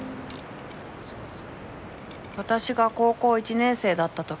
［私が高校１年生だったとき］